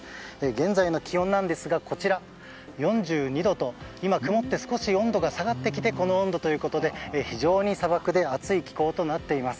現在の気温なんですがこちら、４２度と今、曇って少し下がってきてこの温度ということで非常に砂漠で暑い気候となっています。